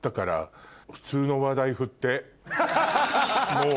もう。